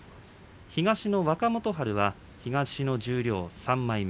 東の若元春は東の十両３枚目。